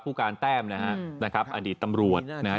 ผู้การแต้มนะครับอดีตตำรวจนะครับ